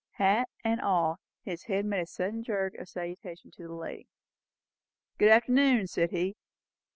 Hat and all, his head made a little jerk of salutation to the lady. "Good arternoon!" said he.